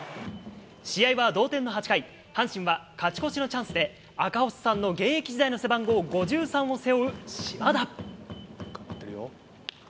試合は同点の８回、阪神は勝ち越しのチャンスで、赤星さんの現役世代の背番号５３を背負う島田。